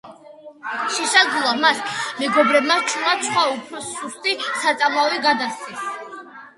შესაძლოა მას მეგობრებმა ჩუმად სხვა, უფრო სუსტი საწამლავი გადასცეს.